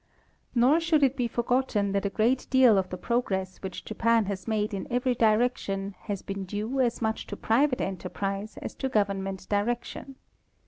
Nor should it be forgotten that a great deal of the progress which Japan has made in every direction has been due as much to private enterprise as to government direction.